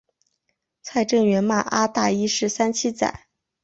蔡正元骂何大一是三七仔。